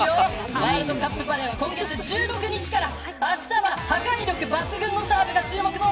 ワールドカップバレーは今月１６日からあしたは、破壊力抜群のサーブが注目の